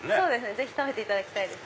ぜひ食べていただきたいです。